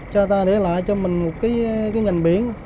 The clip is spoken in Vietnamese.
cha ta để lại cho mình một cái nhành biển